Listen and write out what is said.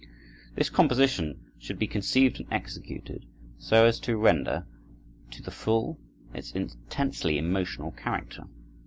This composition should be conceived and executed so as to render, to the full, its intensely emotional character.